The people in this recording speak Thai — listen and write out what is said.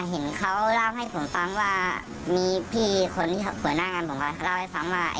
เห็นเขาเล่าให้ผมฟังว่ามีพี่คนที่หัวหน้างานผมเล่าให้ฟังว่า